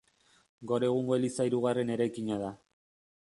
Gaur egungo eliza hirugarren eraikina da.